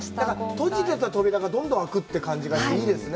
閉じてた扉がどんどん開くという感じがしていいね。